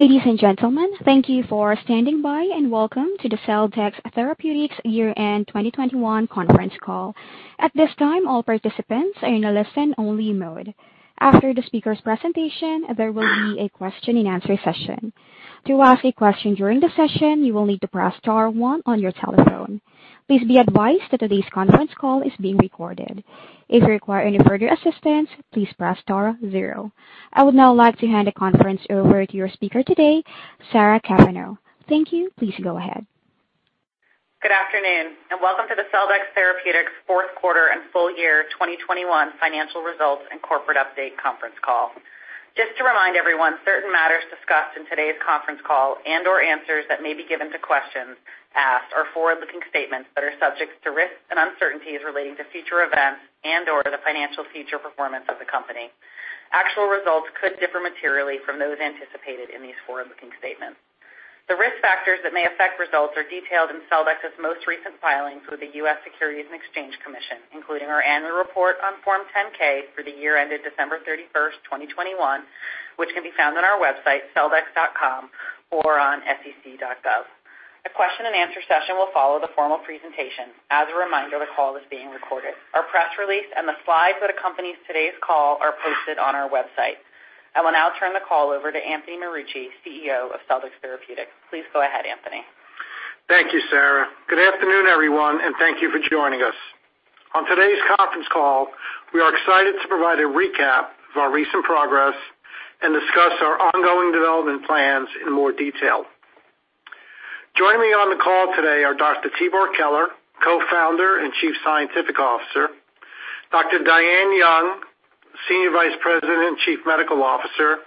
Ladies and gentlemen, thank you for standing by, and welcome to the Celldex Therapeutics year-end 2021 conference call. At this time, all participants are in a listen-only mode. After the speaker's presentation, there will be a question-and-answer session. To ask a question during the session, you will need to press star one on your telephone. Please be advised that today's conference call is being recorded. If you require any further assistance, please press star zero. I would now like to hand the conference over to your speaker today, Sarah Cavanaugh. Thank you. Please go ahead. Good afternoon, and welcome to the Celldex Therapeutics Q4 and full year 2021 financial results and corporate update conference call. Just to remind everyone, certain matters discussed in today's conference call and/or answers that may be given to questions asked are forward-looking statements that are subject to risks and uncertainties relating to future events and/or the financial future performance of the company. Actual results could differ materially from those anticipated in these forward-looking statements. The risk factors that may affect results are detailed in Celldex's most recent filings with the U.S. Securities and Exchange Commission, including our annual report on Form 10-K for the year ended December 31, 2021, which can be found on our website, celldex.com, or on sec.gov. A question-and-answer session will follow the formal presentation. As a reminder, the call is being recorded. Our press release and the slides that accompany today's call are posted on our website. I will now turn the call over to Anthony Marucci, CEO of Celldex Therapeutics. Please go ahead, Anthony. Thank you, Sarah. Good afternoon, everyone, and thank you for joining us. On today's conference call, we are excited to provide a recap of our recent progress and discuss our ongoing development plans in more detail. Joining me on the call today are Dr. Tibor Keler, Co-founder and Chief Scientific Officer, Dr. Diane C. Young, Senior Vice President and Chief Medical Officer,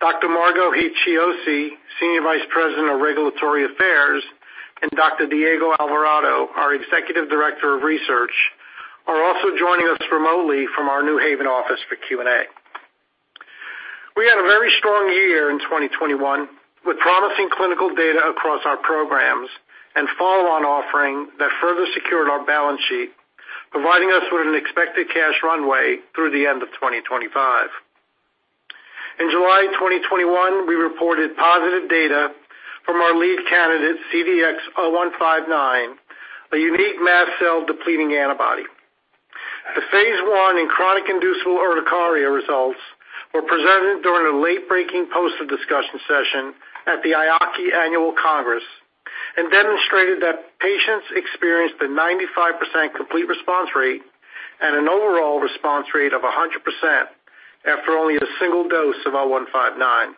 Dr. Margo Heath-Chiozzi, Senior Vice President of Regulatory Affairs, and Dr. Diego Alvarado, our Executive Director of Research, are also joining us remotely from our New Haven office for Q&A. We had a very strong year in 2021 with promising clinical data across our programs and follow-on offering that further secured our balance sheet, providing us with an expected cash runway through the end of 2025. In July 2021, we reported positive data from our lead candidate, CDX-0159, a unique mast cell-depleting antibody. The phase I in chronic inducible urticaria results were presented during a late-breaking poster discussion session at the EAACI Annual Congress and demonstrated that patients experienced a 95% complete response rate and an overall response rate of 100% after only a single dose of CDX-0159.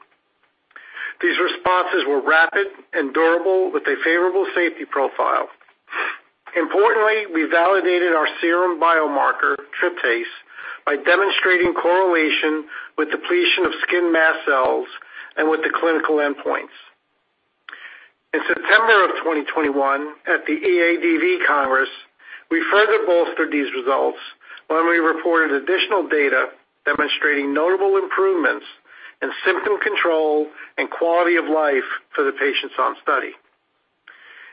These responses were rapid and durable with a favorable safety profile. Importantly, we validated our serum biomarker, tryptase, by demonstrating correlation with depletion of skin mast cells and with the clinical endpoints. In September 2021 at the EADV Congress, we further bolstered these results when we reported additional data demonstrating notable improvements in symptom control and quality of life for the patients on study.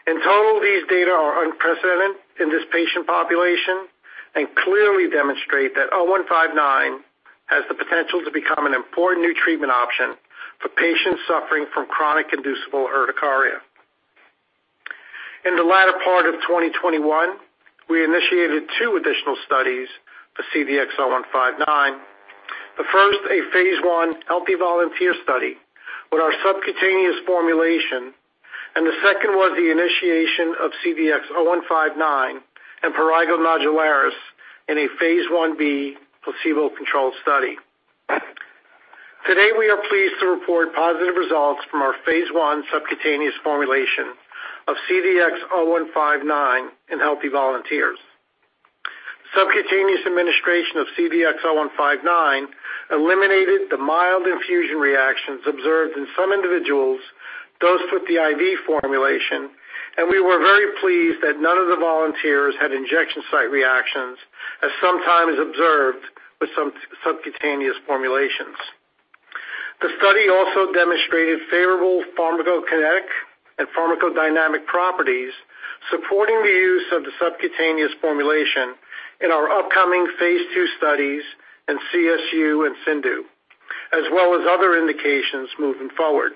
In total, these data are unprecedented in this patient population and clearly demonstrate that CDX-0159 has the potential to become an important new treatment option for patients suffering from chronic inducible urticaria. In the latter part of 2021, we initiated two additional studies for CDX-0159. The first, a phase I healthy volunteer study with our subcutaneous formulation, and the second was the initiation of CDX-0159 in prurigo nodularis in a phase I-B placebo-controlled study. Today, we are pleased to report positive results from our phase I subcutaneous formulation of CDX-0159 in healthy volunteers. Subcutaneous administration of CDX-0159 eliminated the mild infusion reactions observed in some individuals dosed with the IV formulation, and we were very pleased that none of the volunteers had injection site reactions, as sometimes observed with subcutaneous formulations. The study also demonstrated favorable pharmacokinetic and pharmacodynamic properties supporting the use of the subcutaneous formulation in our upcoming phase II studies in CSU and CIndU, as well as other indications moving forward.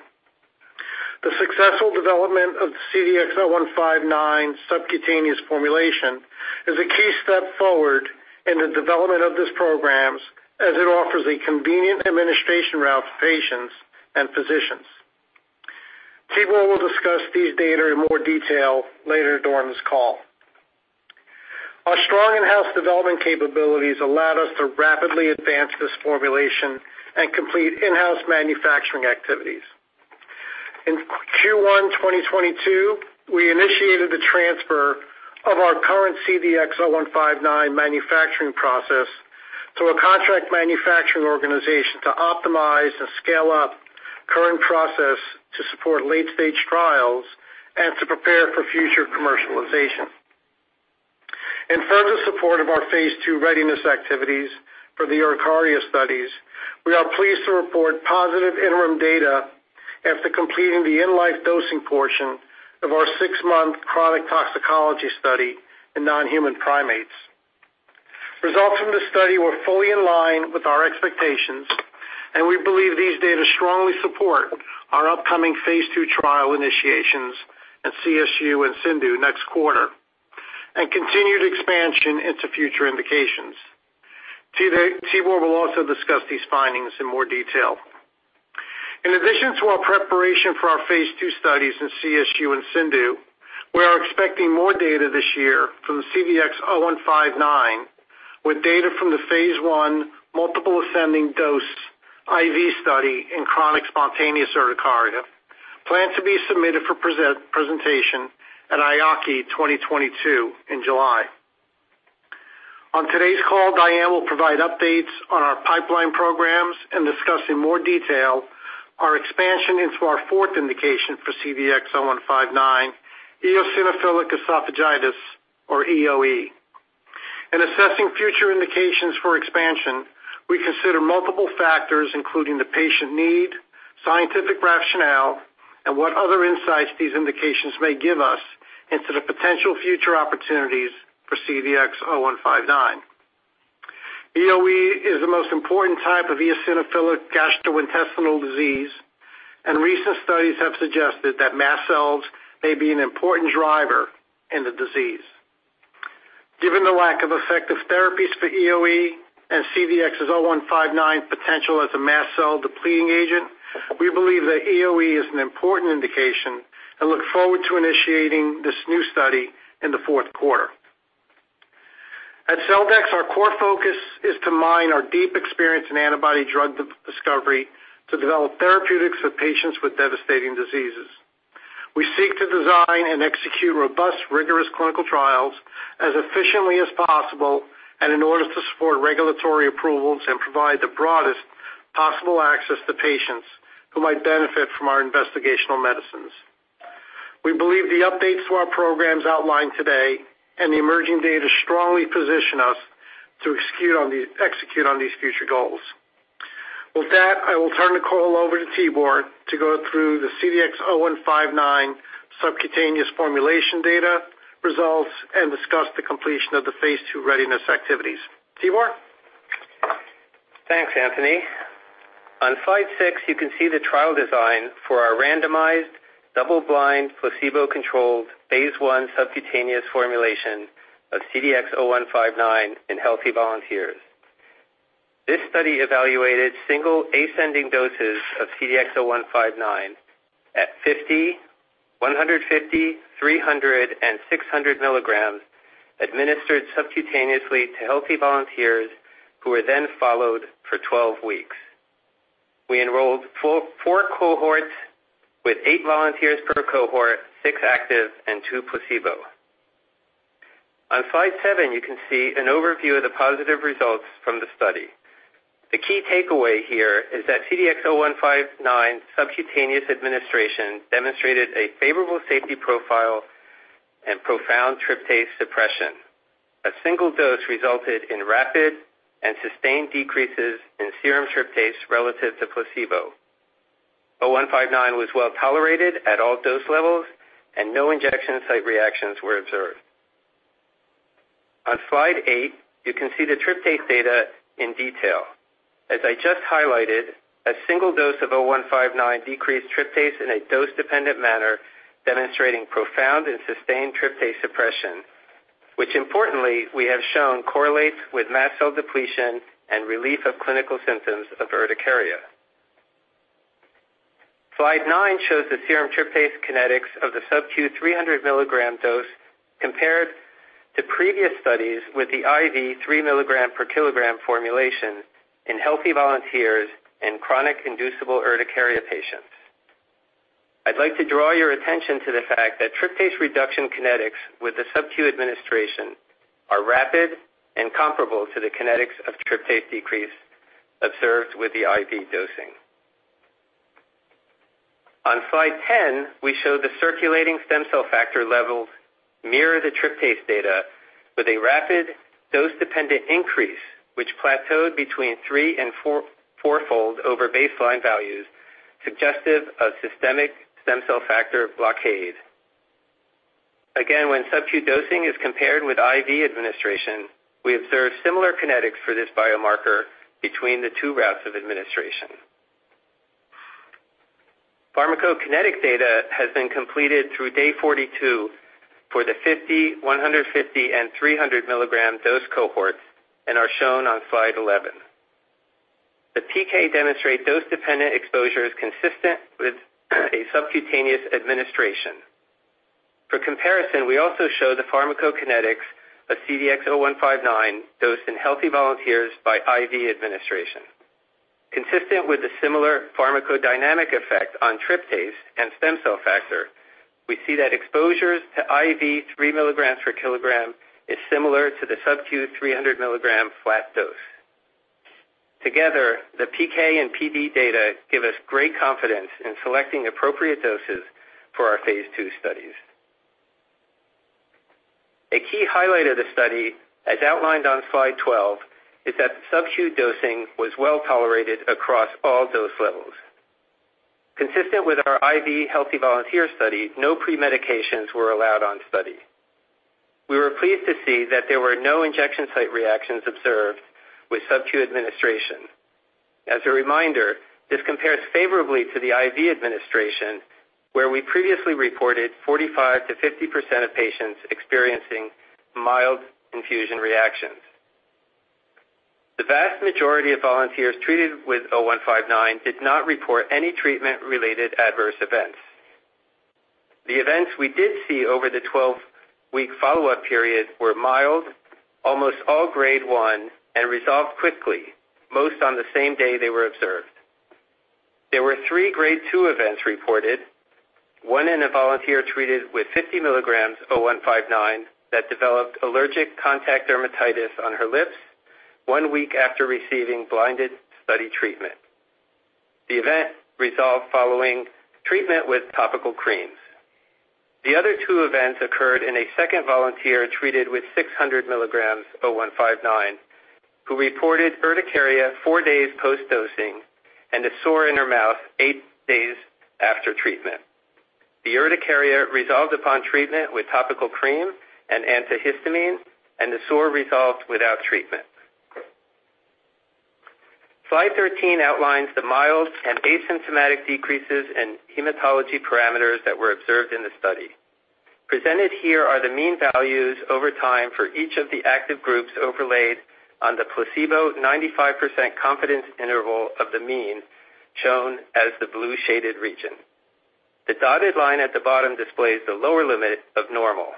The successful development of CDX-0159 subcutaneous formulation is a key step forward in the development of these programs as it offers a convenient administration route to patients and physicians. Tibor will discuss these data in more detail later during this call. Our strong in-house development capabilities allowed us to rapidly advance this formulation and complete in-house manufacturing activities. In Q1-2022, we initiated the transfer of our current CDX-0159 manufacturing process to a contract manufacturing organization to optimize and scale up current process to support late-stage trials and to prepare for future commercialization. In further support of our phase II readiness activities for the urticaria studies, we are pleased to report positive interim data after completing the in-life dosing portion of our six month chronic toxicology study in non-human primates. Results from the study were fully in line with our expectations, and we believe these data strongly support our upcoming phase II trial initiations at CSU and CIndU next quarter and continued expansion into future indications. Tibor will also discuss these findings in more detail. In addition to our preparation for our phase II studies in CSU and CIndU, we are expecting more data this year from the CDX-0159, with data from the phase I multiple ascending dose IV study in chronic spontaneous urticaria planned to be submitted for presentation at EAACI 2022 in July. On today's call, Diane will provide updates on our pipeline programs and discuss in more detail our expansion into our fourth indication for CDX-0159, eosinophilic esophagitis or EoE. In assessing future indications for expansion, we consider multiple factors, including the patient need, scientific rationale, and what other insights these indications may give us into the potential future opportunities for CDX-0159. EoE is the most important type of eosinophilic gastrointestinal disease, and recent studies have suggested that mast cells may be an important driver in the disease. Given the lack of effective therapies for EoE and CDX-0159's potential as a mast cell depleting agent, we believe that EoE is an important indication and look forward to initiating this new study in the Q4 At Celldex, our core focus is to mine our deep experience in antibody drug discovery to develop therapeutics for patients with devastating diseases. We seek to design and execute robust, rigorous clinical trials as efficiently as possible and in order to support regulatory approvals and provide the broadest possible access to patients who might benefit from our investigational medicines. We believe the updates to our programs outlined today and the emerging data strongly position us to execute on these future goals. With that, I will turn the call over to Tibor to go through the CDX-0159 subcutaneous formulation data results and discuss the completion of the phase II readiness activities. Tibor? Thanks, Anthony. On slide six, you can see the trial design for our randomized double-blind placebo-controlled phase I subcutaneous formulation of CDX-0159 in healthy volunteers. This study evaluated single ascending doses of CDX-0159 at 50, 150, 300 and 600 milligrams administered subcutaneously to healthy volunteers who were then followed for 12 weeks. We enrolled four cohorts with eight volunteers per cohort, six active and two placebo. On slide seven, you can see an overview of the positive results from the study. The key takeaway here is that CDX-0159 subcutaneous administration demonstrated a favorable safety profile and profound tryptase suppression. A single dose resulted in rapid and sustained decreases in serum tryptase relative to placebo. CDX-0159 was well tolerated at all dose levels, and no injection site reactions were observed. On Slide eight, you can see the tryptase data in detail. As I just highlighted, a single dose of CDX-0159 decreased tryptase in a dose-dependent manner, demonstrating profound and sustained tryptase suppression, which importantly, we have shown correlates with mast cell depletion and relief of clinical symptoms of urticaria. Slide nine shows the serum tryptase kinetics of the subQ 300 mg dose compared to previous studies with the IV 3 mg/kg formulation in healthy volunteers and chronic inducible urticaria patients. I'd like to draw your attention to the fact that tryptase reduction kinetics with the subQ administration are rapid and comparable to the kinetics of tryptase decrease observed with the IV dosing. On slide 10, we show the circulating stem cell factor levels mirror the tryptase data with a rapid dose-dependent increase which plateaued between three and four fold over baseline values suggestive of systemic stem cell factor blockade. When subQ dosing is compared with IV administration, we observe similar kinetics for this biomarker between the two routes of administration. Pharmacokinetic data has been completed through day 42 for the 50, 150 and 300 milligram dose cohorts and are shown on slide 11. The PK demonstrate dose-dependent exposure is consistent with a subcutaneous administration. For comparison, we also show the pharmacokinetics of CDX-0159 dosed in healthy volunteers by IV administration. Consistent with the similar pharmacodynamic effect on tryptase and stem cell factor, we see that exposures to IV 3 mg/kg is similar to the subQ 300 milligram flat dose. Together, the PK and PD data give us great confidence in selecting appropriate doses for our phase II studies. A key highlight of the study, as outlined on slide 12, is that subQ dosing was well tolerated across all dose levels. Consistent with our IV healthy volunteer study, no premedications were allowed on study. We were pleased to see that there were no injection site reactions observed with subQ administration. As a reminder, this compares favorably to the IV administration, where we previously reported 45%-50% of patients experiencing mild infusion reactions. The vast majority of volunteers treated with CDX-0159 did not report any treatment-related adverse events. The events we did see over the 12-week follow-up period were mild, almost all grade one, and resolved quickly, most on the same day they were observed. There were three grade two events reported, one in a volunteer treated with 50 mg CDX-0159 that developed allergic contact dermatitis on her lips one week after receiving blinded study treatment. The event resolved following treatment with topical creams. The other two events occurred in a second volunteer treated with 600 mg CDX-0159, who reported urticaria four days post-dosing and a sore in her mouth eight days after treatment. The urticaria resolved upon treatment with topical cream and antihistamine, and the sore resolved without treatment. Slide 13 outlines the mild and asymptomatic decreases in hematology parameters that were observed in the study. Presented here are the mean values over time for each of the active groups overlaid on the placebo 95% confidence interval of the mean, shown as the blue-shaded region. The dotted line at the bottom displays the lower limit of normal.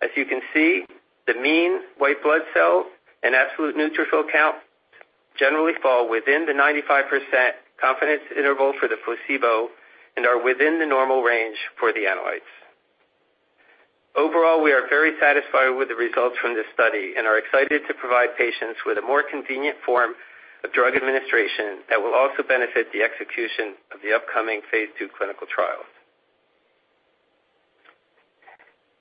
As you can see, the mean white blood cell and absolute neutrophil count generally fall within the 95% confidence interval for the placebo and are within the normal range for the analytes. Overall, we are very satisfied with the results from this study and are excited to provide patients with a more convenient form of drug administration that will also benefit the execution of the upcoming phase II clinical trials.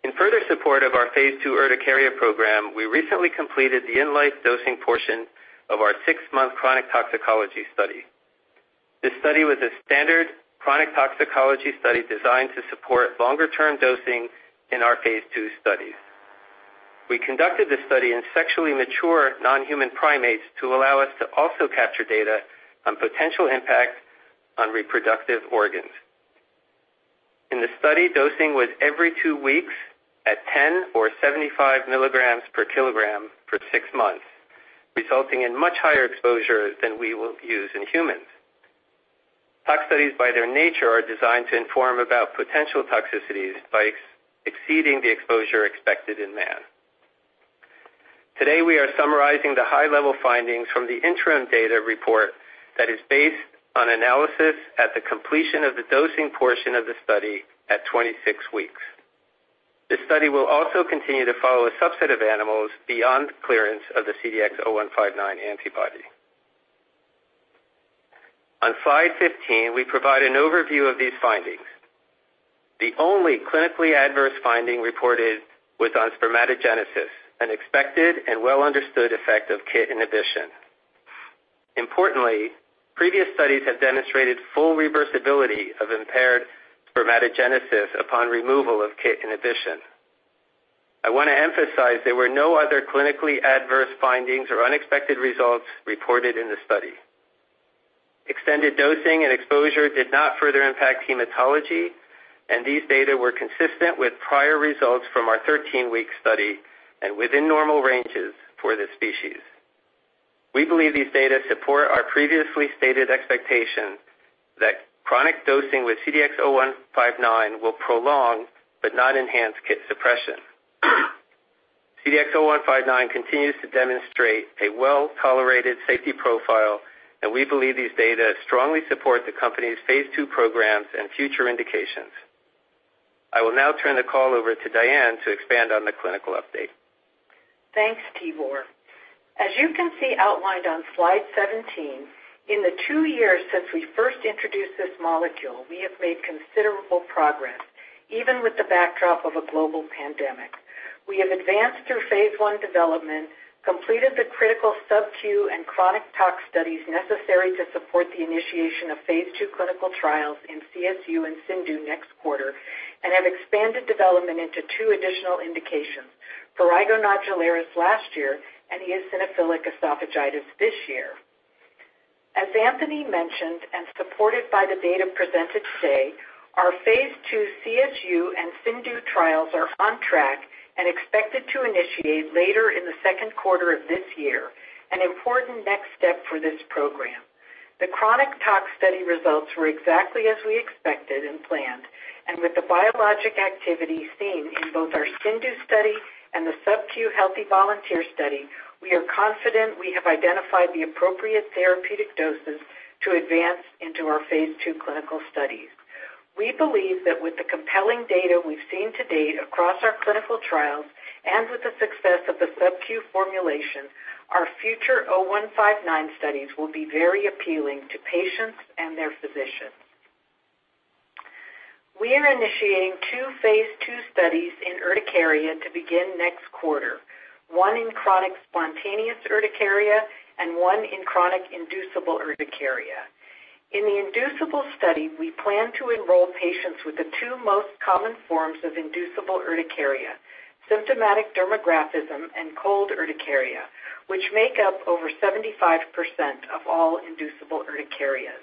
In further support of our phase II urticaria program, we recently completed the in-life dosing portion of our 6-month chronic toxicology study. This study was a standard chronic toxicology study designed to support longer-term dosing in our phase II studies. We conducted this study in sexually mature non-human primates to allow us to also capture data on potential impact on reproductive organs. In the study, dosing was every two weeks at 10 or 75 mg/kg for six months, resulting in much higher exposure than we will use in humans. Tox studies by their nature are designed to inform about potential toxicities by exceeding the exposure expected in man. Today, we are summarizing the high-level findings from the interim data report that is based on analysis at the completion of the dosing portion of the study at 26 weeks. This study will also continue to follow a subset of animals beyond clearance of the CDX-0159 antibody. On slide 15, we provide an overview of these findings. The only clinically adverse finding reported was on spermatogenesis, an expected and well-understood effect of KIT inhibition. Importantly, previous studies have demonstrated full reversibility of impaired spermatogenesis upon removal of KIT inhibition. I want to emphasize there were no other clinically adverse findings or unexpected results reported in the study. Extended dosing and exposure did not further impact hematology, and these data were consistent with prior results from our 13-week study and within normal ranges for this species. We believe these data support our previously stated expectation that chronic dosing with CDX-0159 will prolong but not enhance KIT suppression. CDX-0159 continues to demonstrate a well-tolerated safety profile, and we believe these data strongly support the company's phase II programs and future indications. I will now turn the call over to Diane to expand on the clinical update. Thanks, Tibor. As you can see outlined on slide 17, in the two years since we first introduced this molecule, we have made considerable progress, even with the backdrop of a global pandemic. We have advanced through phase I development, completed the critical subQ and chronic tox studies necessary to support the initiation of phase II clinical trials in CSU and CIndU next quarter, and have expanded development into two additional indications, prurigo nodularis last year and eosinophilic esophagitis this year. As Anthony mentioned and supported by the data presented today, our phase II CSU and CIndU trials are on track and expected to initiate later in the Q2 of this year, an important next step for this program. The chronic tox study results were exactly as we expected and planned, and with the biologic activity seen in both our CIndU study and the subQ healthy volunteer study, we are confident we have identified the appropriate therapeutic doses to advance into our phase II clinical studies. We believe that with the compelling data we've seen to date across our clinical trials and with the success of the subQ formulation, our future CDX-0159 studies will be very appealing to patients and their physicians. We are initiating two phase II studies in urticaria to begin next quarter, one in chronic spontaneous urticaria and one in chronic inducible urticaria. In the inducible study, we plan to enroll patients with the two most common forms of inducible urticaria, symptomatic dermographism and cold urticaria, which make up over 75% of all inducible urticarias.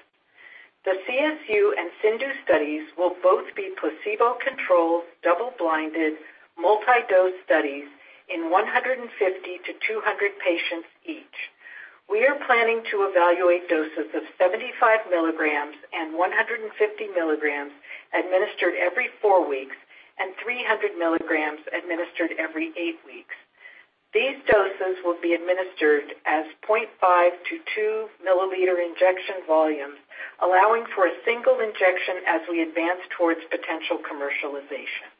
The CSU and CIndU studies will both be placebo-controlled, double-blinded, multi-dose studies in 150-200 patients each. We are planning to evaluate doses of 75 mg and 150 mg administered every 4 weeks and 300 mg administered every eight weeks. These doses will be administered as 0.5-2 mL injection volumes, allowing for a single injection as we advance towards potential commercialization.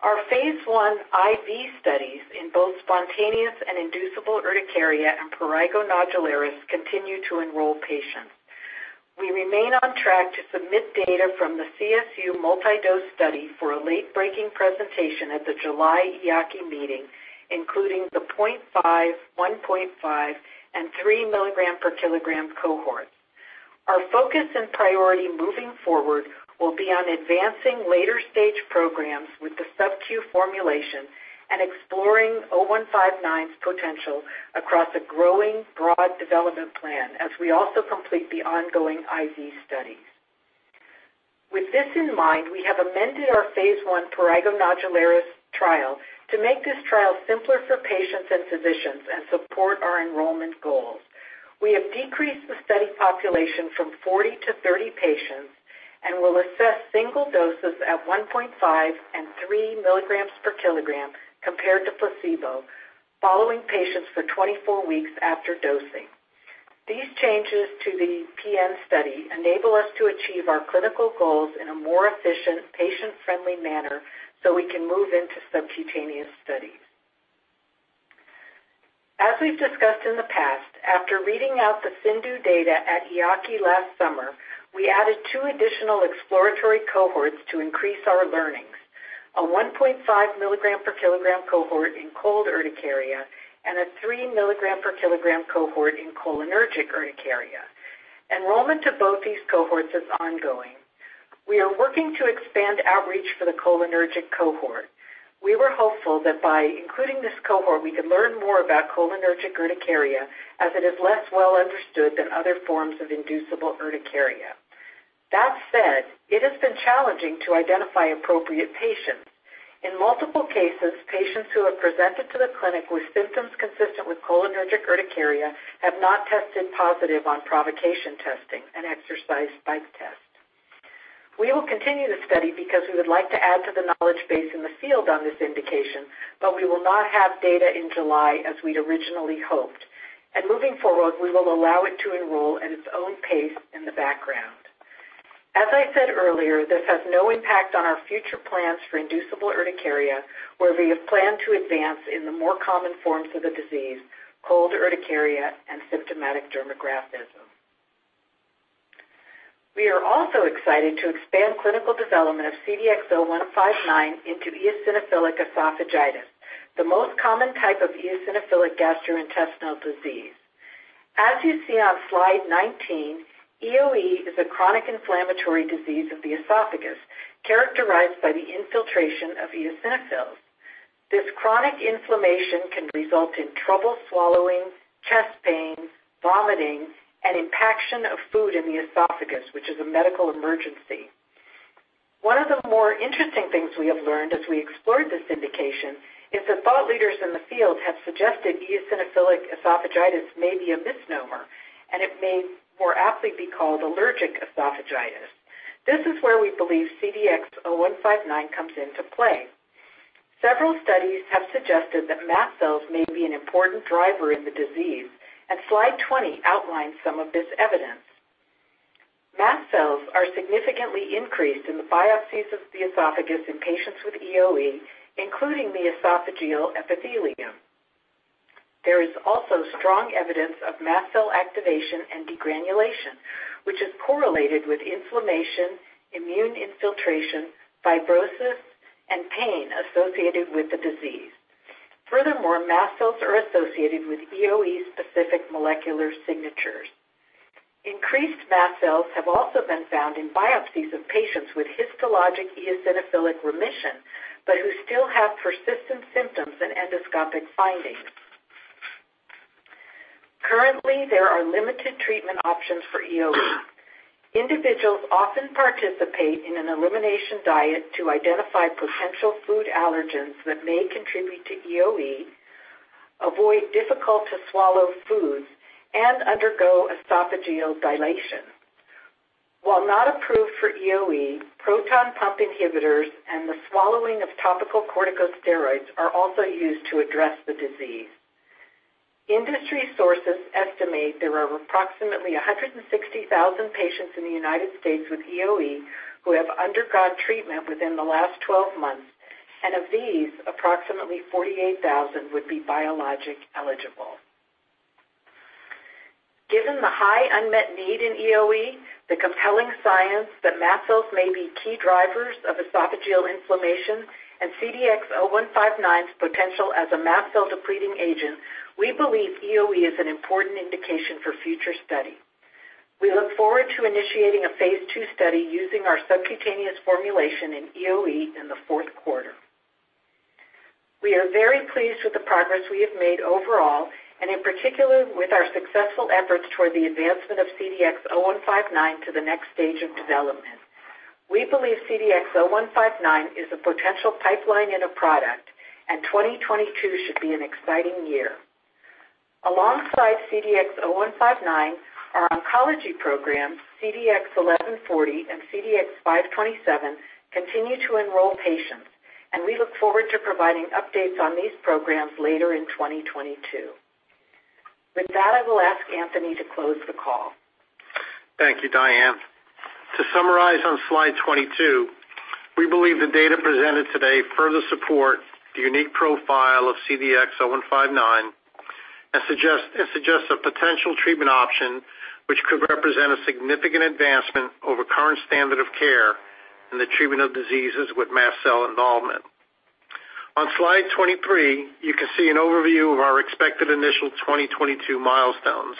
Our phase I IV studies in both spontaneous and inducible urticaria and prurigo nodularis continue to enroll patients. We remain on track to submit data from the CSU multi-dose study for a late-breaking presentation at the July EAACI meeting, including the 0.5, 1.5, and 3 mg/kg cohort. Our focus and priority moving forward will be on advancing later-stage programs with the subcu formulation and exploring CDX-0159's potential across a growing broad development plan as we also complete the ongoing IV studies. With this in mind, we have amended our phase I prurigo nodularis trial to make this trial simpler for patients and physicians and support our enrollment goals. We have decreased the study population from 40 to 30 patients and will assess single doses at 1.5 and 3 mg/kg compared to placebo, following patients for 24 weeks after dosing. These changes to the PN study enable us to achieve our clinical goals in a more efficient, patient-friendly manner so we can move into subcutaneous studies. As we've discussed in the past, after reading out the CIndU data at EAACI last summer, we added two additional exploratory cohorts to increase our learnings, a 1.5 mg/kg cohort in cold urticaria and a 3 mg/kg cohort in cholinergic urticaria. Enrollment to both these cohorts is ongoing. We are working to expand outreach for the cholinergic cohort. We were hopeful that by including this cohort, we could learn more about cholinergic urticaria as it is less well understood than other forms of inducible urticaria. That said, it has been challenging to identify appropriate patients. In multiple cases, patients who have presented to the clinic with symptoms consistent with cholinergic urticaria have not tested positive on provocation testing and exercise spike tests. We will continue the study because we would like to add to the knowledge base in the field on this indication, but we will not have data in July as we'd originally hoped. Moving forward, we will allow it to enroll at its own pace in the background. As I said earlier, this has no impact on our future plans for inducible urticaria, where we have planned to advance in the more common forms of the disease, cold urticaria and symptomatic dermographism. We are also excited to expand clinical development of CDX-0159 into eosinophilic esophagitis, the most common type of eosinophilic gastrointestinal disease. As you see on slide 19, EoE is a chronic inflammatory disease of the esophagus characterized by the infiltration of eosinophils. This chronic inflammation can result in trouble swallowing, chest pain, vomiting, and impaction of food in the esophagus, which is a medical emergency. One of the more interesting things we have learned as we explored this indication is that thought leaders in the field have suggested eosinophilic esophagitis may be a misnomer, and it may more aptly be called allergic esophagitis. This is where we believe CDX-0159 comes into play. Several studies have suggested that mast cells may be an important driver in the disease, and slide 20 outlines some of this evidence. Mast cells are significantly increased in the biopsies of the esophagus in patients with EoE, including the esophageal epithelium. There is also strong evidence of mast cell activation and degranulation, which is correlated with inflammation, immune infiltration, fibrosis, and pain associated with the disease. Furthermore, mast cells are associated with EoE-specific molecular signatures. Increased mast cells have also been found in biopsies of patients with histologic eosinophilic remission but who still have persistent symptoms and endoscopic findings. Currently, there are limited treatment options for EoE. Individuals often participate in an elimination diet to identify potential food allergens that may contribute to EoE, avoid difficult-to-swallow foods, and undergo esophageal dilation. While not approved for EoE, proton pump inhibitors and the swallowing of topical corticosteroids are also used to address the disease. Industry sources estimate there are approximately 160,000 patients in the United States with EoE who have undergone treatment within the last 12 months, and of these, approximately 48,000 would be biologic-eligible. Given the high unmet need in EoE, the compelling science that mast cells may be key drivers of esophageal inflammation, and CDX-0159's potential as a mast cell depleting agent, we believe EoE is an important indication for future study. We look forward to initiating a phase II study using our subcutaneous formulation in EoE in the Q4. We are very pleased with the progress we have made overall, and in particular with our successful efforts toward the advancement of CDX-0159 to the next stage of development. We believe CDX-0159 is a potential pipeline and a product, and 2022 should be an exciting year. Alongside CDX-0159, our oncology program, CDX-1140 and CDX-527, continue to enroll patients, and we look forward to providing updates on these programs later in 2022. With that, I will ask Anthony to close the call. Thank you, Diane. To summarize on slide 22, we believe the data presented today further support the unique profile of CDX-0159 and suggest a potential treatment option which could represent a significant advancement over current standard of care in the treatment of diseases with mast cell involvement. On slide 23, you can see an overview of our expected initial 2022 milestones.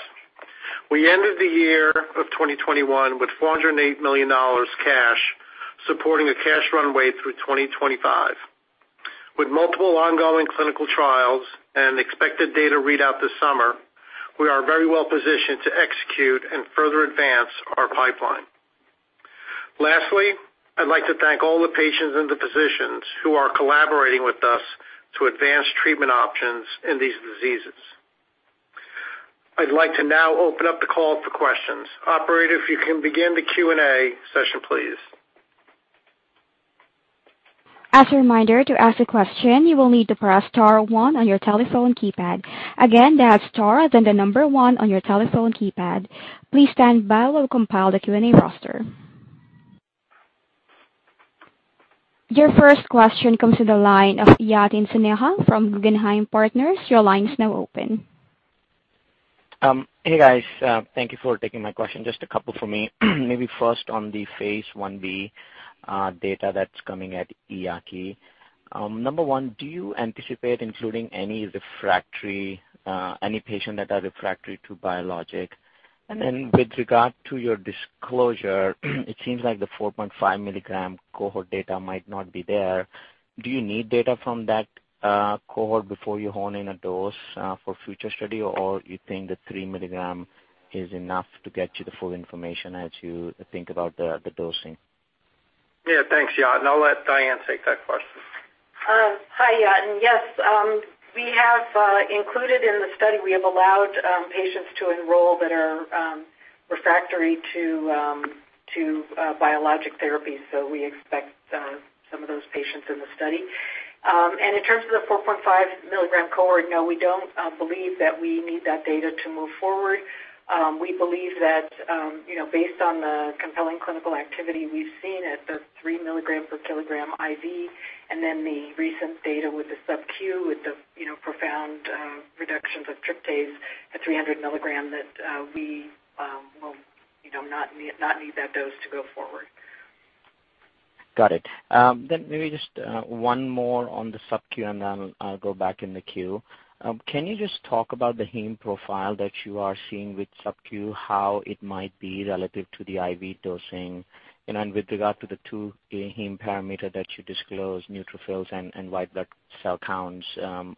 We ended the year of 2021 with $408 million cash, supporting a cash runway through 2025. With multiple ongoing clinical trials and expected data readout this summer, we are very well positioned to execute and further advance our pipeline. Lastly, I'd like to thank all the patients and the physicians who are collaborating with us to advance treatment options in these diseases. I'd like to now open up the call for questions. Operator, if you can begin the Q&A session, please. As a reminder, to ask a question, you will need to press star one on your telephone keypad. Again, that's star, then the number one on your telephone keypad. Please stand by while we compile the Q&A roster. Your first question comes to the line of Yatin Suneja from Guggenheim Partners. Your line is now open. Hey, guys. Thank you for taking my question. Just a couple for me. Maybe first on the phase I-B data that's coming at EAACI. Number one, do you anticipate including any refractory any patient that are refractory to biologic? And then with regard to your disclosure, it seems like the 4.5 milligram cohort data might not be there. Do you need data from that cohort before you hone in a dose for future study? Or you think the 3 milligram is enough to get you the full information as you think about the dosing? Yeah, thanks, Yatin. I'll let Diane take that question. Hi, Yatin. Yes, we have included patients in the study. We have allowed patients to enroll that are refractory to biologic therapy. We expect some of those patients in the study. In terms of the 4.5 milligram cohort, no, we don't believe that we need that data to move forward. We believe that, you know, based on the compelling clinical activity we've seen at the 3 mg/kg IV, and then the recent data with the sub Q with the, you know, profound reductions of tryptase at 300 milligram that we will, you know, not need that dose to go forward. Got it. Maybe just one more on the sub Q, and then I'll go back in the queue. Can you just talk about the heme profile that you are seeing with sub Q, how it might be relative to the IV dosing? With regard to the two heme parameter that you disclosed, neutrophils and white blood cell counts,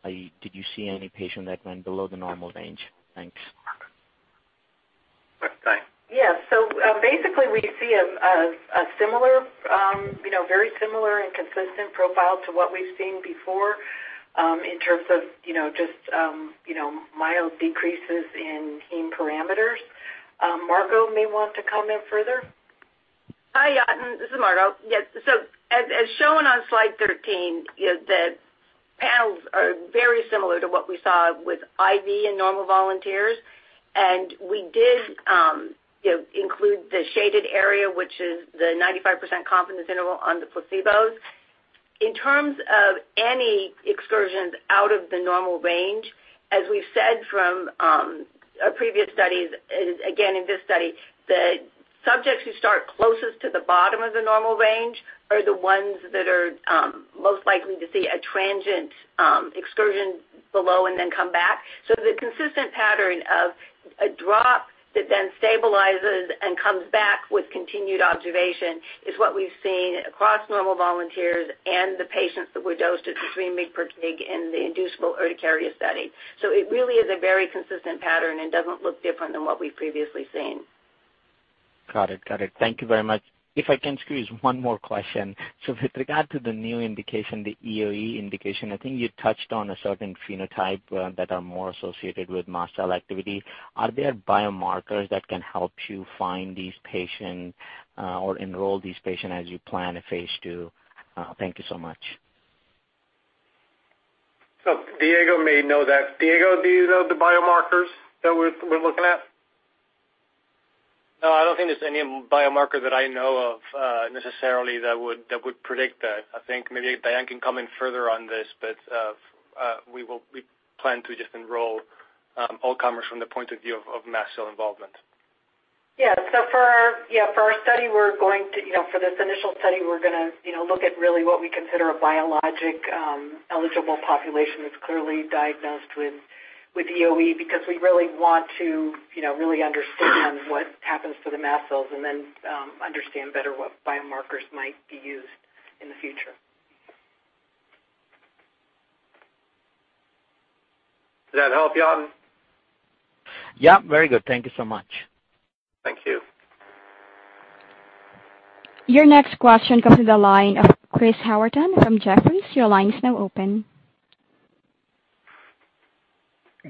did you see any patient that went below the normal range? Thanks. Diane. Yeah. Basically we see a similar, you know, very similar and consistent profile to what we've seen before, in terms of, you know, just, you know, mild decreases in heme parameters. Margo may want to comment further. Hi, Yatin. This is Margo. Yes. As shown on slide 13, you know, the panels are very similar to what we saw with IV in normal volunteers. We did, you know, include the shaded area, which is the 95% confidence interval on the placebos. In terms of any excursions out of the normal range, as we've said from previous studies is again in this study, the subjects who start closest to the bottom of the normal range are the ones that are most likely to see a transient excursion below and then come back. The consistent pattern of a drop that then stabilizes and comes back with continued observation is what we've seen across normal volunteers and the patients that were dosed at 3 mg/kg in the inducible urticaria study. It really is a very consistent pattern and doesn't look different than what we've previously seen. Got it. Thank you very much. If I can squeeze one more question. With regard to the new indication, the EoE indication, I think you touched on a certain phenotype that are more associated with mast cell activity. Are there biomarkers that can help you find these patients or enroll these patients as you plan a phase II? Thank you so much. Diego may know that. Diego, do you know the biomarkers that we're looking at? No, I don't think there's any biomarker that I know of necessarily that would predict that. I think maybe Diane can comment further on this, but we plan to just enroll all comers from the point of view of mast cell involvement. Yeah, for our study, we're going to, you know, for this initial study, we're gonna, you know, look at really what we consider a biologic eligible population that's clearly diagnosed with EoE because we really want to, you know, really understand what happens to the mast cells and then understand better what biomarkers might be used in the future. Did that help, Yatin? Yeah. Very good. Thank you so much. Thank you. Your next question comes to the line of Chris Howerton from Jefferies. Your line is now open.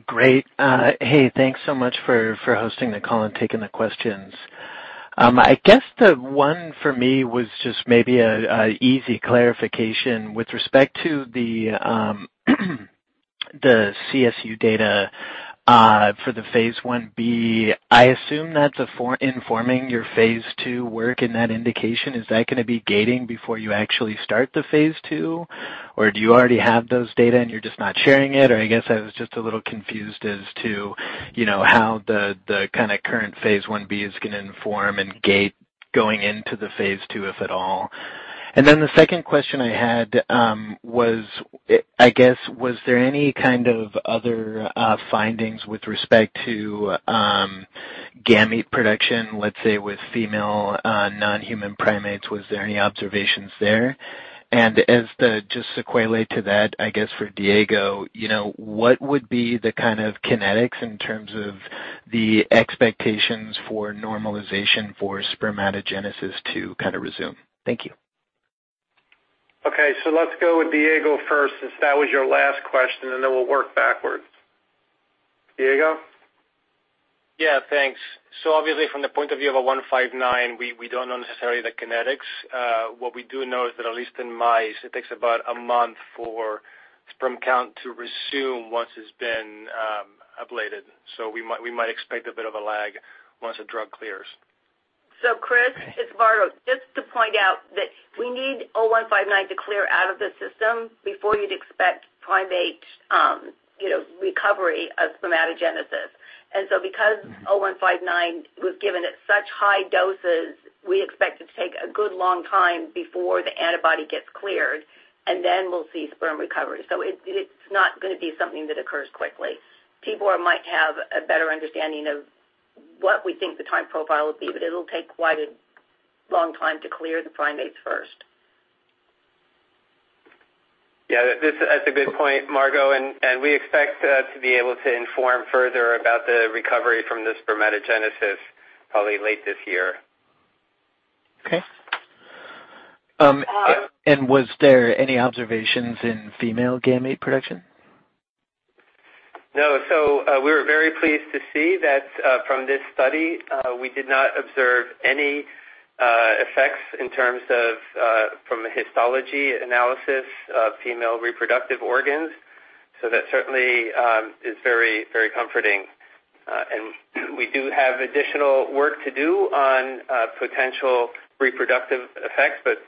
Great. Hey, thanks so much for hosting the call and taking the questions. I guess the one for me was just maybe an easy clarification with respect to the CSU data for the phase I-B. I assume that's informing your phase II work in that indication. Is that gonna be gating before you actually start the phase II or do you already have those data and you're just not sharing it? Or I guess I was just a little confused as to, you know, how the kinda current phase I-B is gonna inform and gate going into the phase II, if at all. Then the second question I had was, I guess, was there any kind of other findings with respect to gamete production, let's say, with female non-human primates? Was there any observations there? Just sequelae to that, I guess, for Diego, you know, what would be the kind of kinetics in terms of the expectations for normalization for spermatogenesis to kind of resume? Thank you. Okay. Let's go with Diego first since that was your last question, and then we'll work backwards. Diego? Yeah. Thanks. Obviously from the point of view of CDX-0159, we don't know necessarily the kinetics. What we do know is that at least in mice, it takes about a month for sperm count to resume once it's been ablated. We might expect a bit of a lag once the drug clears. Chris, it's Margo. Just to point out that we need CDX-0159 to clear out of the system before you'd expect primate recovery of spermatogenesis. Because CDX-0159 was given at such high doses, we expect it to take a good long time before the antibody gets cleared, and then we'll see sperm recovery. It's not gonna be something that occurs quickly. Tibor might have a better understanding of what we think the time profile would be, but it'll take quite a long time to clear the primates first. Yeah. That's a good point, Margo, and we expect to be able to inform further about the recovery from the spermatogenesis probably late this year. Okay. Was there any observations in female gamete production? No. We were very pleased to see that from this study we did not observe any effects in terms of from a histology analysis of female reproductive organs. That certainly is very, very comforting. We do have additional work to do on potential reproductive effects, but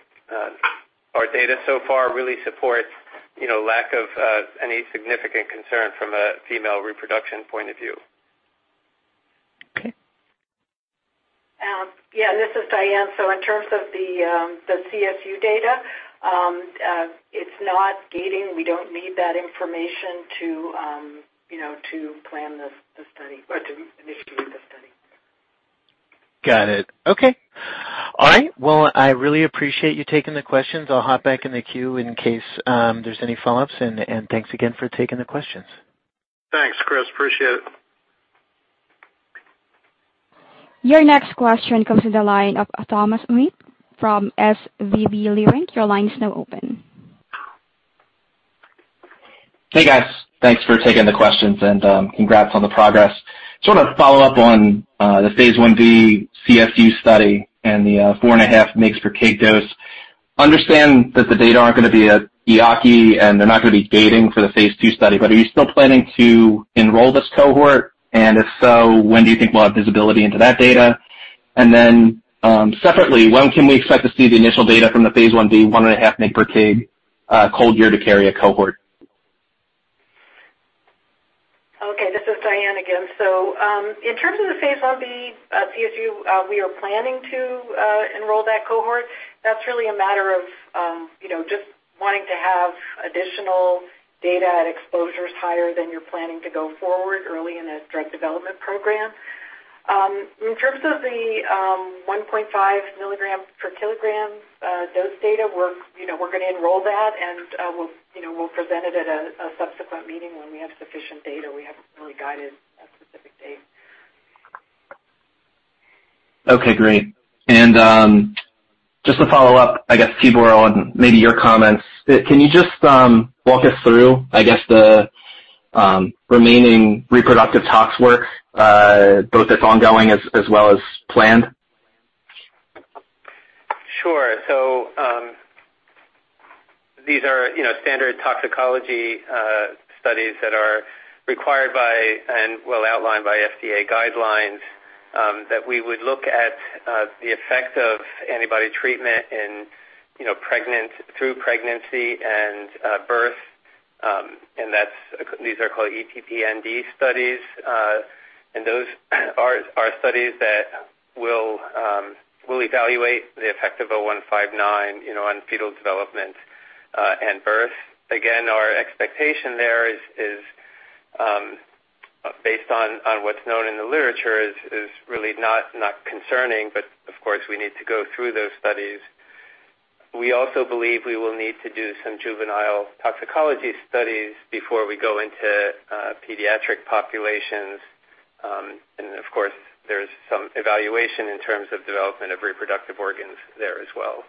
our data so far really supports you know lack of any significant concern from a female reproduction point of view. Okay. Yeah, and this is Diane. In terms of the CSU data, it's not gating. We don't need that information to, you know, to plan this, the study or to initiate the study. Got it. Okay. All right. Well, I really appreciate you taking the questions. I'll hop back in the queue in case there's any follow-ups. Thanks again for taking the questions. Thanks, Chris. Appreciate it. Your next question comes to the line of Thomas Smith from SVB Leerink. Your line is now open. Hey, guys. Thanks for taking the questions and congrats on the progress. Sort of follow up on the phase I-B CSU study and the 4.5 mg/kg dose. Understand that the data aren't gonna be at EAACI, and they're not gonna be gating for the phase II study. Are you still planning to enroll this cohort? If so, when do you think we'll have visibility into that data? Separately, when can we expect to see the initial data from the phase I-B 1.5 mg per kg cold urticaria cohort? This is Diane again. In terms of the phase I-B CSU, we are planning to enroll that cohort. That's really a matter of, you know, just wanting to have additional data at exposures higher than you're planning to go forward early in a drug development program. In terms of the 1.5 mg/kg dose data, we're, you know, we're gonna enroll that and, we'll, you know, we'll present it at a subsequent meeting when we have sufficient data. We haven't really guided a specific date. Okay, great. Just to follow up, I guess, Tibor, on maybe your comments. Can you just walk us through, I guess, the remaining reproductive tox work, both that's ongoing as well as planned? These are, you know, standard toxicology studies that are required by and well outlined by FDA guidelines that we would look at the effect of antibody treatment in, you know, through pregnancy and birth. That's these are called EPPND studies. Those are studies that will evaluate the effect of CDX-0159, you know, on fetal development and birth. Again, our expectation there is based on what's known in the literature, really not concerning, but of course, we need to go through those studies. We also believe we will need to do some juvenile toxicology studies before we go into pediatric populations. Of course, there's some evaluation in terms of development of reproductive organs there as well.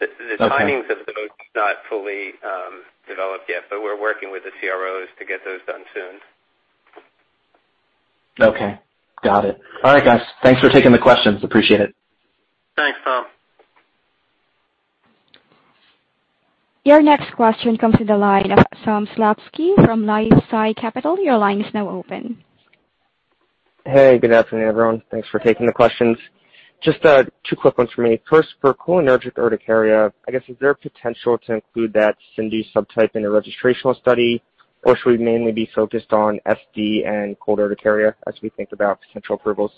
The timings of those not fully developed yet, but we're working with the CROs to get those done soon. Okay. Got it. All right, guys. Thanks for taking the questions. Appreciate it. Thanks, Tom. Your next question comes to the line of Sam Slutsky from LifeSci Capital. Your line is now open. Hey, good afternoon, everyone. Thanks for taking the questions. Just, two quick ones for me. First, for cholinergic urticaria, I guess, is there potential to include that CIndU subtype in a registrational study? Or should we mainly be focused on SD and cold urticaria as we think about potential approvals?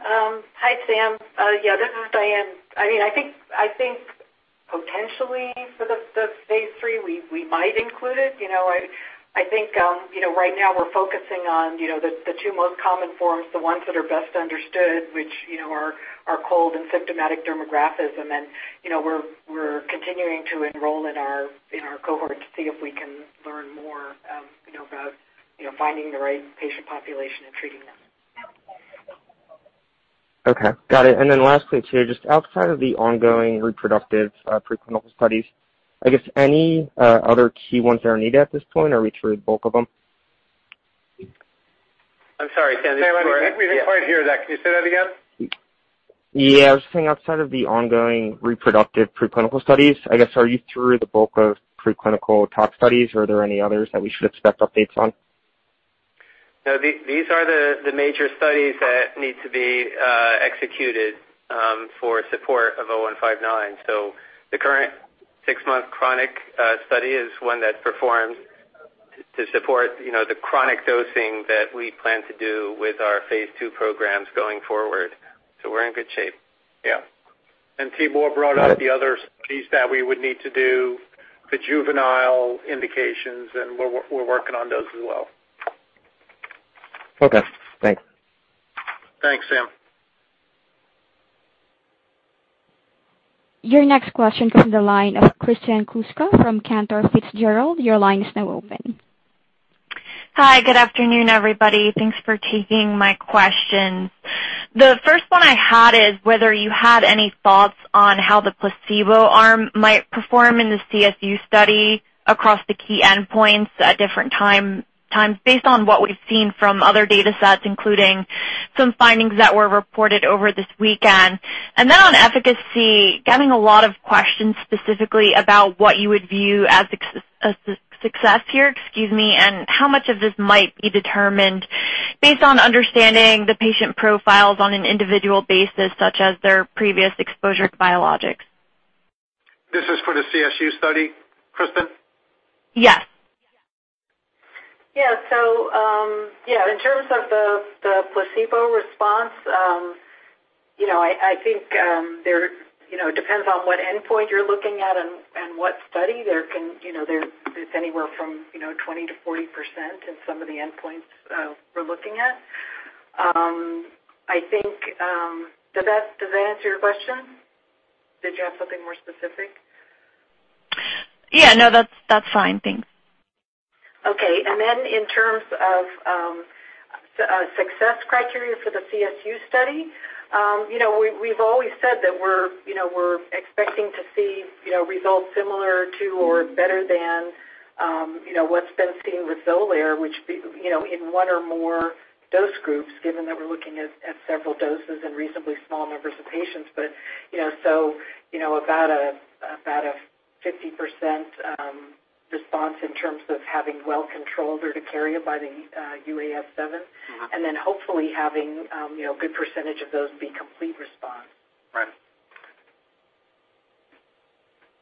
Hi, Sam. Yeah, this is Diane. I mean, I think potentially for the phase III, we might include it. You know, I think you know, right now we're focusing on you know, the two most common forms, the ones that are best understood, which you know are cold and symptomatic dermographism. You know, we're continuing to enroll in our cohort to see if we can learn more you know about you know finding the right patient population and treating them. Okay. Got it. Lastly too, just outside of the ongoing reproductive, preclinical studies, I guess any other key ones that are needed at this point, or are we through the bulk of them? I'm sorry, Sam. Sam, I didn't quite hear that. Can you say that again? Yeah. I was just saying outside of the ongoing reproductive preclinical studies, I guess, are you through the bulk of preclinical tox studies, or are there any others that we should expect updates on? No, these are the major studies that need to be executed for support of 0159. The current six-month chronic study is one that performs to support, you know, the chronic dosing that we plan to do with our phase II programs going forward. We're in good shape. Yeah. Tibor brought up the other piece that we would need to do, the juvenile indications, and we're working on those as well. Okay. Thanks. Thanks, Sam. Your next question comes from the line of Kristen Kluska from Cantor Fitzgerald. Your line is now open. Hi. Good afternoon, everybody. Thanks for taking my questions. The first one I had is whether you had any thoughts on how the placebo arm might perform in the CSU study across the key endpoints at different times based on what we've seen from other datasets, including some findings that were reported over this weekend. Then on efficacy, getting a lot of questions specifically about what you would view as a success here, excuse me, and how much of this might be determined based on understanding the patient profiles on an individual basis, such as their previous exposure to biologics. This is for the CSU study, Kristen? Yes. In terms of the placebo response, you know, I think it depends on what endpoint you're looking at and what study. It's anywhere from 20%-40% in some of the endpoints we're looking at. I think, does that answer your question? Did you have something more specific? Yeah. No, that's fine. Thanks. Okay. In terms of success criteria for the CSU study, you know, we've always said that we're expecting to see results similar to or better than what's been seen with Xolair, which you know, in one or more dose groups, given that we're looking at several doses and reasonably small numbers of patients. You know, about a 50% response in terms of having well-controlled urticaria by the UAS7. Hopefully having, you know, good percentage of those be complete response. Right.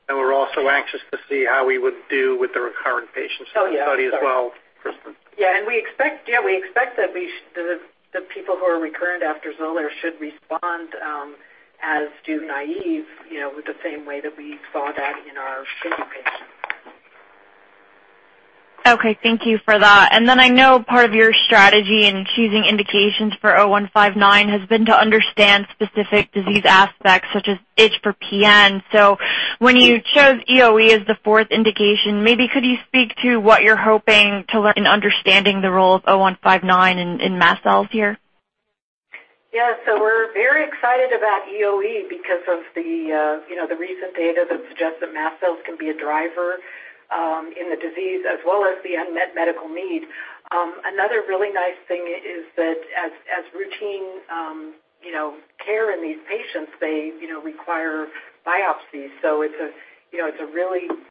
We're also anxious to see how we would do with the recurrent patients. Oh, yeah. in the study as well, Kristen. We expect that the people who are recurrent after Xolair should respond as do naive, you know, with the same way that we saw that in our study patients. Okay, thank you for that. I know part of your strategy in choosing indications for CDX-0159 has been to understand specific disease aspects such as itch for PN. When you chose EoE as the fourth indication, maybe could you speak to what you're hoping to learn in understanding the role of CDX-0159 in mast cells here? Yeah. We're very excited about EoE because of the you know the recent data that suggests that mast cells can be a driver in the disease as well as the unmet medical need. Another really nice thing is that as routine you know care in these patients they you know require biopsies.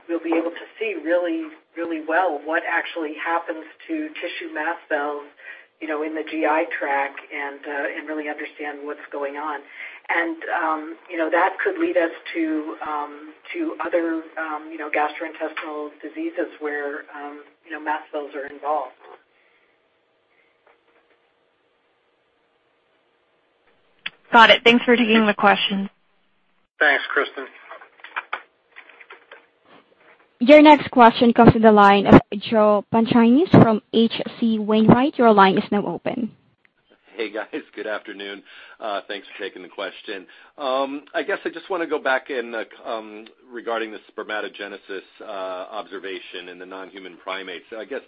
We'll be able to see really really well what actually happens to tissue mast cells you know in the GI tract and really understand what's going on. That could lead us to other you know gastrointestinal diseases where you know mast cells are involved. Got it. Thanks for taking the question. Thanks, Kristen. Your next question comes to the line of Joseph Pantginis from H.C. Wainwright. Your line is now open. Hey, guys. Good afternoon. Thanks for taking the question. I guess I just wanna go back to the regarding the spermatogenesis observation in the non-human primates. I guess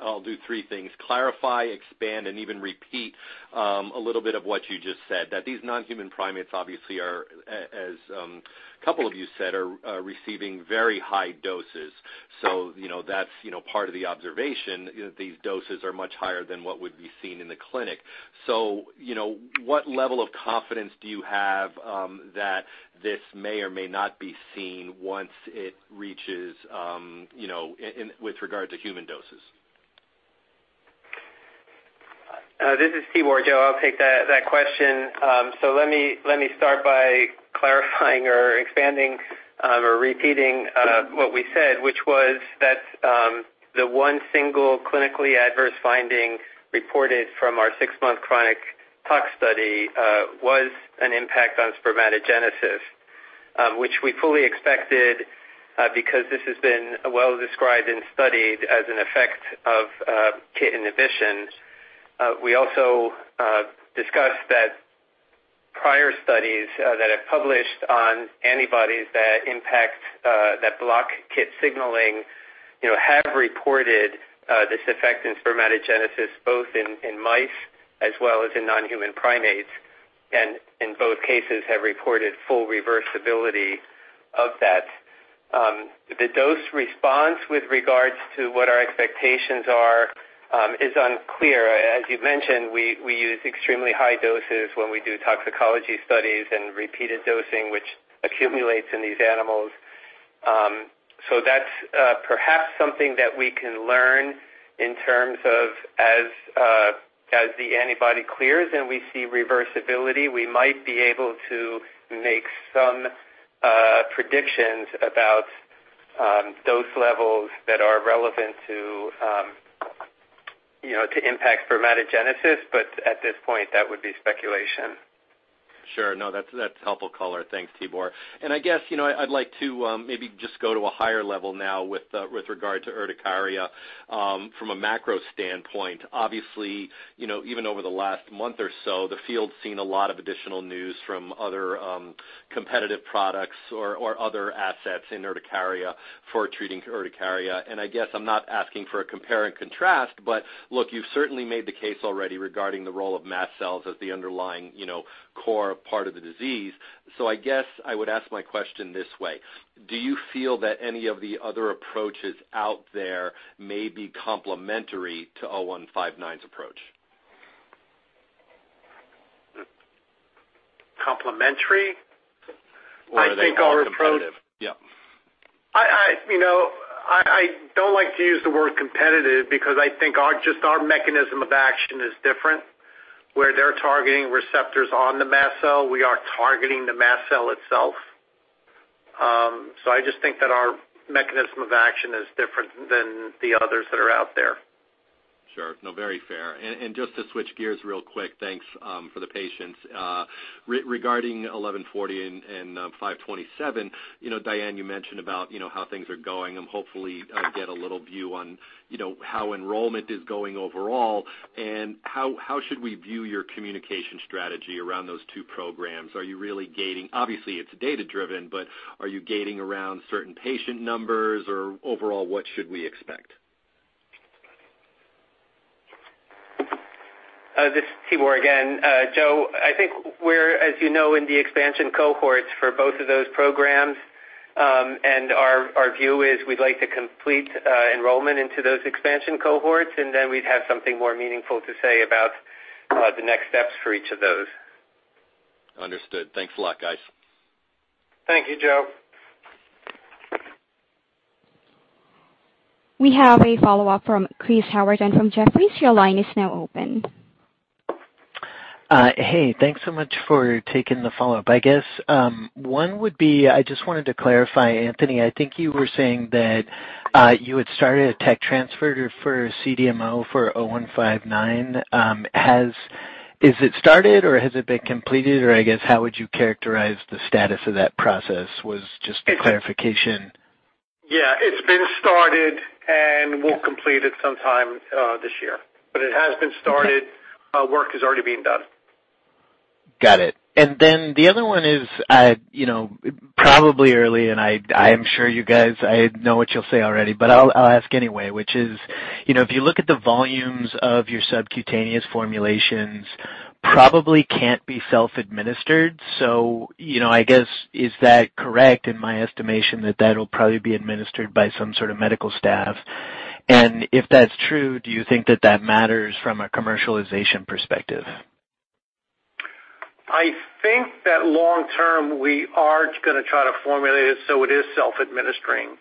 I'll do three things, clarify, expand, and even repeat a little bit of what you just said, that these non-human primates obviously are, as a couple of you said, receiving very high doses. You know, that's you know part of the observation. These doses are much higher than what would be seen in the clinic. You know, what level of confidence do you have that this may or may not be seen once it reaches you know in humans with regard to human doses? This is Tibor, Joe. I'll take that question. Let me start by clarifying or expanding or repeating what we said, which was that the one single clinically adverse finding reported from our six-month chronic tox study was an impact on spermatogenesis, which we fully expected because this has been well described and studied as an effect of KIT inhibitions. We also discussed that prior studies that have published on antibodies that block KIT signaling, you know, have reported this effect in spermatogenesis both in mice as well as in non-human primates, and in both cases have reported full reversibility of that. The dose response with regards to what our expectations are is unclear. As you mentioned, we use extremely high doses when we do toxicology studies and repeated dosing, which accumulates in these animals. That's perhaps something that we can learn in terms of as the antibody clears and we see reversibility, we might be able to make some predictions about dose levels that are relevant to, you know, to impact spermatogenesis. At this point, that would be speculation. Sure. No, that's helpful color. Thanks, Tibor. I guess, you know, I'd like to maybe just go to a higher level now with regard to urticaria from a macro standpoint. Obviously, you know, even over the last month or so, the field's seen a lot of additional news from other competitive products or other assets in urticaria for treating urticaria. I guess I'm not asking for a compare and contrast, but look, you've certainly made the case already regarding the role of mast cells as the underlying, you know, core part of the disease. I guess I would ask my question this way: Do you feel that any of the other approaches out there may be complementary to CDX-0159's approach? Complementary? Are they all competitive? I think our approach. Yeah. You know, I don't like to use the word competitive because I think our just our mechanism of action is different. Where they're targeting receptors on the mast cell, we are targeting the mast cell itself. I just think that our mechanism of action is different than the others that are out there. Sure. No, very fair. Just to switch gears real quick, thanks for the patience. Regarding CDX-1140 and CDX-527, you know, Diane, you mentioned about, you know, how things are going and hopefully I'll get a little view on, you know, how enrollment is going overall. How should we view your communication strategy around those two programs? Are you really gating. Obviously it's data-driven, but are you gating around certain patient numbers or overall, what should we expect? This is Tibor again. Joe, I think we're, as you know, in the expansion cohorts for both of those programs, and our view is we'd like to complete enrollment into those expansion cohorts, and then we'd have something more meaningful to say about the next steps for each of those. Understood. Thanks a lot, guys. Thank you, Joe. We have a follow-up from Chris Howerton of Jefferies. Your line is now open. Hey, thanks so much for taking the follow-up. I guess, one would be, I just wanted to clarify, Anthony, I think you were saying that you had started a tech transfer for CDMO for CDX-0159. Is it started, or has it been completed, or I guess how would you characterize the status of that process, was just a clarification. Yeah. It's been started, and we'll complete it sometime this year. It has been started. Work is already being done. Got it. The other one is, you know, probably early, and I am sure you guys, I know what you'll say already, but I'll ask anyway, which is, you know, if you look at the volumes of your subcutaneous formulations probably can't be self-administered, so, you know, I guess is that correct in my estimation that that'll probably be administered by some sort of medical staff? If that's true, do you think that that matters from a commercialization perspective? I think that long term we are gonna try to formulate it so it is self-administering,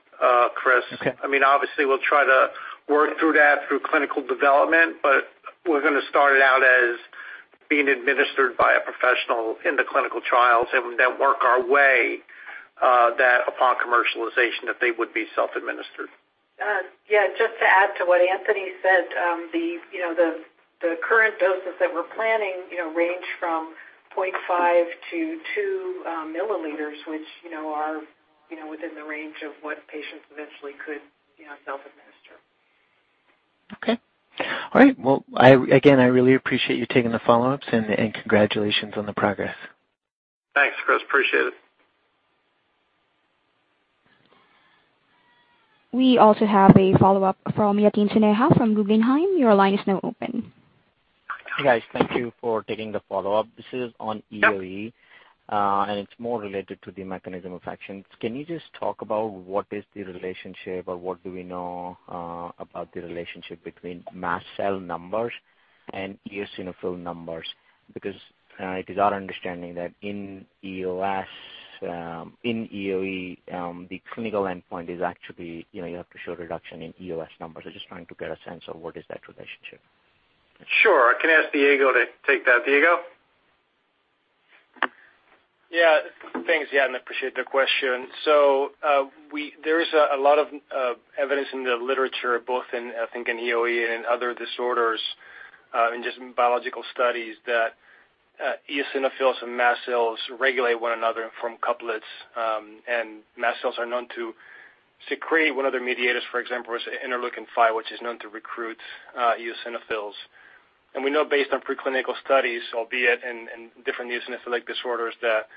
Chris. Okay. I mean, obviously, we'll try to work through that through clinical development, but we're gonna start it out as being administered by a professional in the clinical trials and then work our way, that upon commercialization, that they would be self-administered. Yeah, just to add to what Anthony said, the current doses that we're planning, you know, range from 0.5-2 mL, which, you know, are within the range of what patients eventually could, you know, self-administer. Okay. All right. Well, I again really appreciate you taking the follow-ups, and congratulations on the progress. Thanks, Chris. Appreciate it. We also have a follow-up from Yatin Suneja from Guggenheim. Your line is now open. Hey, guys. Thank you for taking the follow-up. This is on EoE, and it's more related to the mechanism of action. Can you just talk about what is the relationship or what do we know, about the relationship between mast cell numbers and eosinophil numbers? Because, it is our understanding that in EoE, the clinical endpoint is actually, you know, you have to show reduction in EoE numbers. I'm just trying to get a sense of what is that relationship. Sure. I can ask Diego to take that. Diego? Yeah. Thanks, Yatin. I appreciate the question. There is a lot of evidence in the literature, both in, I think in EoE and other disorders, in just biological studies that eosinophils and mast cells regulate one another in co-cultures, and mast cells are known to secrete one of their mediators, for example, interleukin-5, which is known to recruit eosinophils. We know based on preclinical studies, albeit in different eosinophilic disorders, that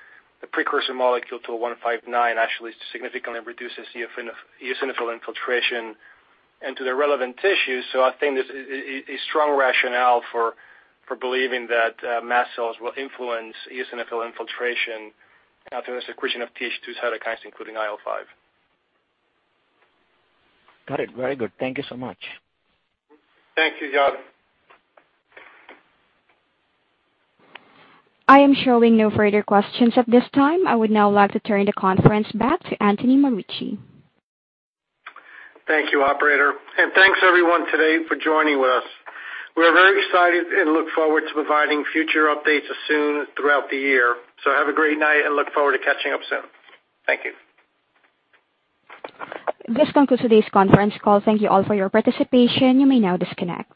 the precursor molecule to 159 actually significantly reduces eosinophil infiltration into the relevant tissues. I think this is strong rationale for believing that mast cells will influence eosinophil infiltration through the secretion of Th2 cytokines, including IL-5. Got it. Very good. Thank you so much. Thank you, Yatin. I am showing no further questions at this time. I would now like to turn the conference back to Anthony Marucci. Thank you, operator, and thanks everyone today for joining us. We are very excited and look forward to providing future updates soon throughout the year. Have a great night, and look forward to catching up soon. Thank you. This concludes today's conference call. Thank you all for your participation. You may now disconnect.